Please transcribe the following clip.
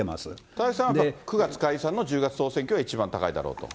田崎さんはやっぱ、９月解散の１０月総選挙が一番高いだろうと？